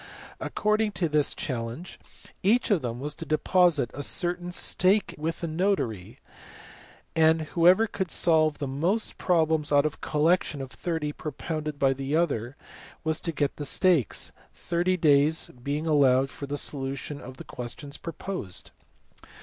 According to this challenge each of them was to deposit a certain stake with a notary, and whoever could solve the most problems out of a collection of thirty propounded by the other was to get the stakes, thirty days being allowed for the solution of the questions proposed.